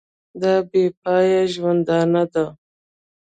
دا بې پایه ژوندانه ده.